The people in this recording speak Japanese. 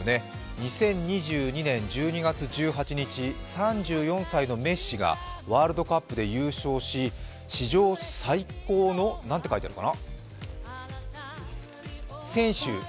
２０２２年１２月１８日、３４歳のメッシがワールドカップで優勝し史上最高の選手になります。